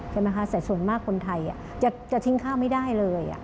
ใช่ไหมคะแต่ส่วนมากคนไทยจะทิ้งข้าวไม่ได้เลย